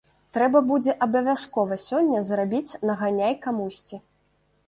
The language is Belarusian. Трэба будзе абавязкова сёння зрабіць наганяй камусьці.